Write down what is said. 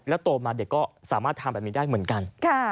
โตมาเด็กก็สามารถทำแบบนี้ได้เหมือนกัน